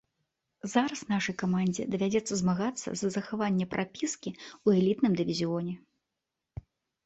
Зараз нашай камандзе давядзецца змагацца за захаванне прапіскі ў элітным дывізіёне.